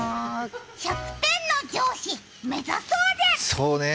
１００点の上司、目指そうね。